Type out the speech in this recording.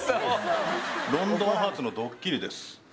『ロンドンハーツ』のドッキリです。